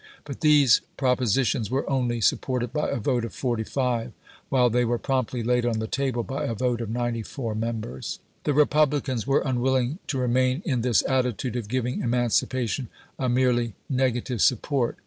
But these propositions were only sup ported by a vote of forty five, while they were promptly laid on the table by a vote of ninety four members. The Republicans were unwilling to re main in this attitude of giving emancipation a merely negative support.